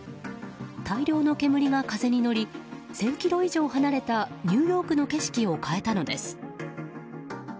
大量の煙が風に乗り１０００ｋｍ離れたニューヨークの景色を変えたのです。